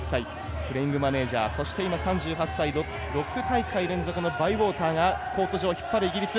プレイングマネージャーそして、３８歳６大会連続のバイウォーターがコート上引っ張るイギリス。